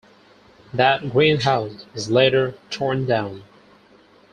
That greenhouse was later torn down.